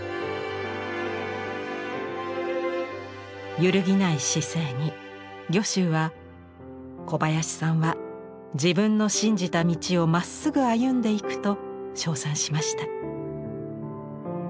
揺るぎない姿勢に御舟は「小林さんは自分の信じた道をまっすぐ歩んでいく」と称賛しました。